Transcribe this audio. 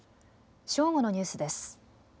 正午のニュースです。